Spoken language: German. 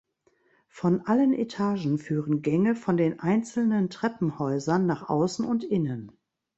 Von allen Etagen führen Gänge von den einzelnen Treppenhäusern nach außen und innen.